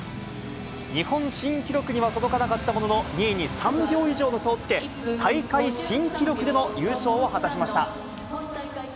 日本新記録には届かなかったものの、２位に３秒以上の差をつけ、大会新記録での優勝を果たしました。